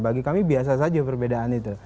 bagi kami biasa saja perbedaan itu